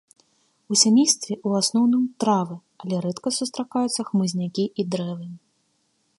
У сямействе ў асноўным травы, але рэдка сустракаюцца хмызнякі і дрэвы.